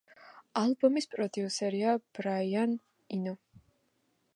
ალბომის პროდიუსერია ბრაიან ინო.